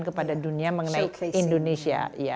kepada dunia mengenai indonesia